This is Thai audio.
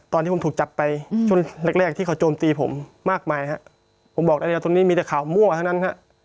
ตอนที่ผมถูกจับไปช่วงแรกแรกที่เขาโจมตีผมมากมายฮะผมบอกได้เลยตอนนี้มีแต่ข่าวมั่วเท่านั้นฮะ